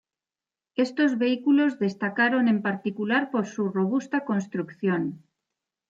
Estos vehículos destacaron en particular por su robusta construcción.